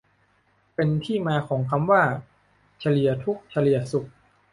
เป็นที่มาของคำว่า "เฉลี่ยทุกข์เฉลี่ยสุข"